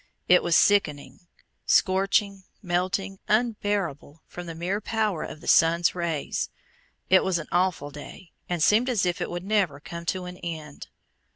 It was sickening, scorching, melting, unbearable, from the mere power of the sun's rays. It was an awful day, and seemed as if it would never come to an end.